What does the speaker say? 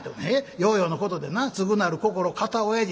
ようようのことでな『すぐなる心堅親父』